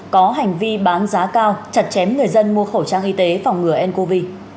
có hành vi bán giá cao chặt chém người dân mua khẩu trang y tế phòng ngừa ncov